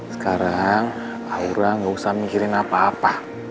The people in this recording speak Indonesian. sekarang aura nggak usah mikirin apa apa